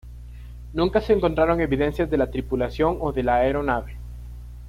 Nunca se encontraron evidencias de la tripulación o de la aeronave.